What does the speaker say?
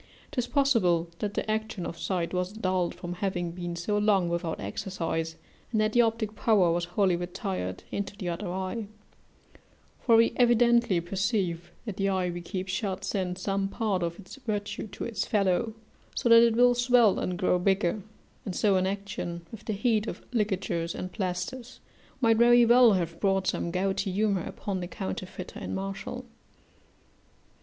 'Tis possible that the action of sight was dulled from having been so long without exercise, and that the optic power was wholly retired into the other eye: for we evidently perceive that the eye we keep shut sends some part of its virtue to its fellow, so that it will swell and grow bigger; and so inaction, with the heat of ligatures and, plasters, might very well have brought some gouty humour upon the counterfeiter in Martial.